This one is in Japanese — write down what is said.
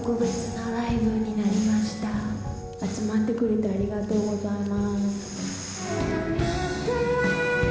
集まってくれてありがとうございます。